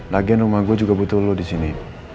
lagian rumah gue juga butuh lo disini